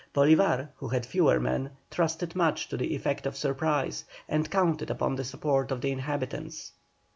Bolívar, who had fewer men, trusted much to the effect of surprise, and counted upon the support of the inhabitants.